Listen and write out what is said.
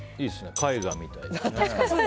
絵画みたいで。